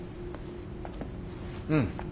うん。